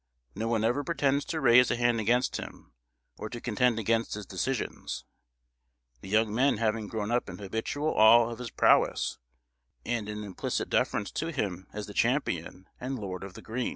No one ever pretends to raise a hand against him, or to contend against his decisions; the young men having grown up in habitual awe of his prowess, and in implicit deference to him as the champion and lord of the green.